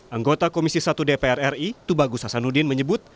anggota komisi satu dpr ri tubagus hasanuddin menyebut